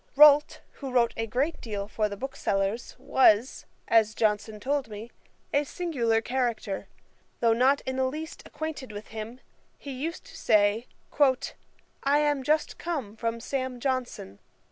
Rolt, who wrote a great deal for the booksellers, was, as Johnson told me, a singular character. Though not in the least acquainted with him, he used to say, 'I am just come from Sam. Johnson.'